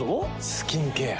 スキンケア。